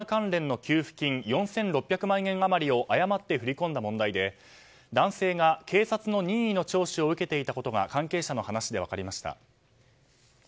山口県阿武町が町民の男性にコロナ関連の給付金４６００万円余りを誤って振り込んだ問題で男性が警察の任意の聴取を受けていたことが関係者の話で分かりました。